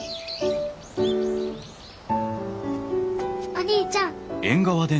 お兄ちゃん。